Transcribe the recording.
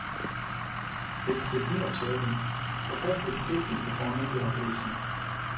With Sidney observing, Hawkeye hesitates in performing the operation.